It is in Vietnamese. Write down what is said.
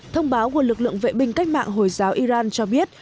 thông báo của lực lượng vệ binh cách mạng hồi giáo iran cho biết